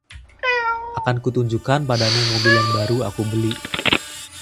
Akan ku tunjukkan padamu mobil yang baru aku beli.